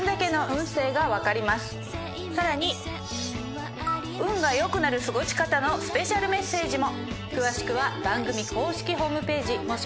さらに運が良くなる過ごし方のスペシャルメッセージも。